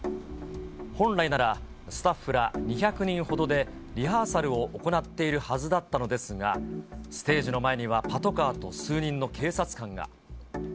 本来ならスタッフら２００人ほどでリハーサルを行っているはずだったのですが、ステージの前にはパトカーと数人の警察官が。